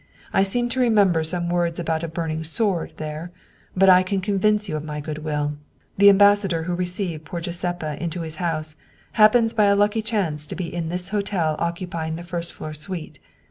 I seem to re member some words about a burning sword there. But I can convince you of my good will. The ambassador who received poor Giuseppa into his house happens by a lucky chance to be in this hotel occupying the first floor suite.